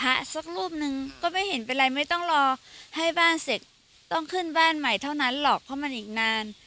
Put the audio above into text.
สักรูปหนึ่งก็ไม่เห็นเป็นไรไม่ต้องรอให้บ้านเสร็จต้องขึ้นบ้านใหม่เท่านั้นหรอกเพราะมันอีกนาน